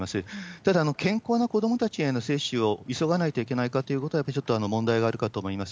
ただ、健康な子どもたちへの接種を急がないといけないかということは、やっぱりちょっと問題があるかと思います。